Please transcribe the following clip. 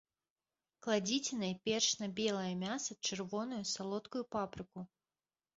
Кладзіце найперш на белае мяса чырвоную салодкую папрыку.